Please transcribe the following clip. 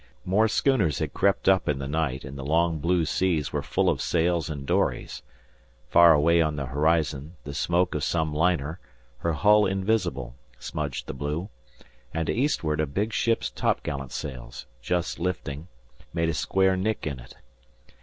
More schooners had crept up in the night, and the long blue seas were full of sails and dories. Far away on the horizon, the smoke of some liner, her hull invisible, smudged the blue, and to eastward a big ship's top gallant sails, just lifting, made a square nick in it.